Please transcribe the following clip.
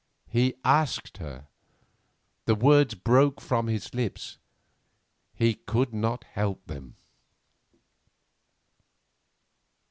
He asked her; the words broke from his lips; he could not help them.